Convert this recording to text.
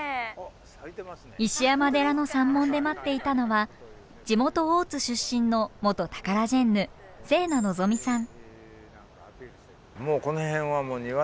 石山寺の山門で待っていたのは地元大津出身の元タカラジェンヌ星南のぞみさん。